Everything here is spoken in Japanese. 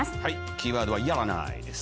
キーワードは「やらない」です。